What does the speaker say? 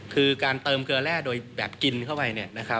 คือการเติมเกลือแร่โดยแบบกินเข้าไป